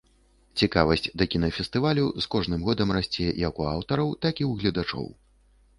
Цікавасць да кінафестывалю з кожным годам расце як у аўтараў, так і ў гледачоў.